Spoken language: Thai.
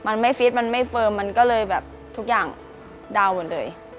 มันไม่ฟิตมันไม่เฟิร์มมันก็เลยแบบทุกอย่างเดาหมดเลย